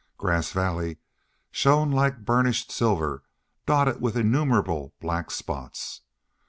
Grass Valley shone like burnished silver dotted with innumerable black spots.